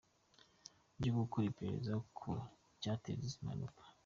byo gukora iperereza ku cyateye izi mpanuka.